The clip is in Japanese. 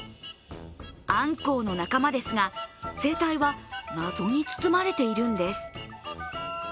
あんこうの仲間ですが生体は謎に包まれているんです。